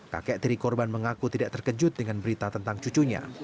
kakek tiri korban mengaku tidak terkejut dengan berita tentang cucunya